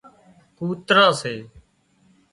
ڪوتران سي